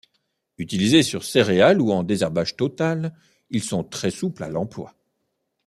Utilisés sur céréales ou en désherbage total, ils sont très souples à l'emploi.